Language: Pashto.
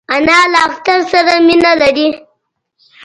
انا له اختر سره مینه لري